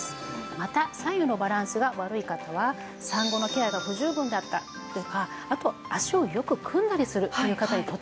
また左右のバランスが悪い方は産後のケアが不十分だったとかあと脚をよく組んだりするという方にとても多いんですね。